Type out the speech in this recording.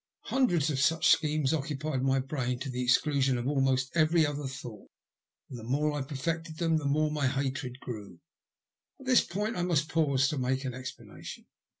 Hundreds of such schemes occupied my brain to the exclusion of almost every other thought, and the more I perfected them the more my hatred grew. At this point I must pause to make an explanation.